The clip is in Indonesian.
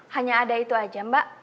hanya ada itu aja mbak